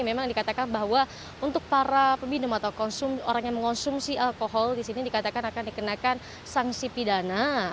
memang dikatakan bahwa untuk para peminum atau orang yang mengonsumsi alkohol di sini dikatakan akan dikenakan sanksi pidana